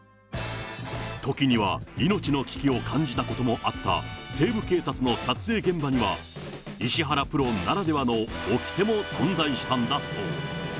時には命の危機を感じたこともあった西部警察の撮影現場には、石原プロならではのおきても存在したんだそう。